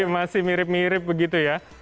masih mirip mirip begitu ya